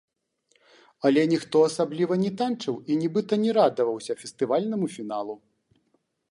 Але ніхто асабліва не танчыў і нібыта не радаваўся фестывальнаму фіналу.